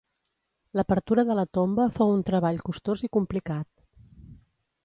L'apertura de la tomba fou un treball costós i complicat.